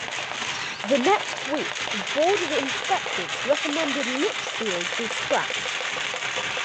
The next week the Board of Inspectors recommended "Litchfield" be scrapped.